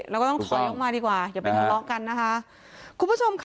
เราก็ต้องถอยออกมาดีกว่าอย่าไปทะเลาะกันนะครับ